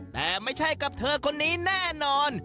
แต่ไม่ใช่กับเธอคนนี้แน่นอน